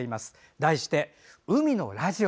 題して「海のラジオ」。